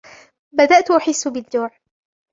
بدأت أحس بالجوع.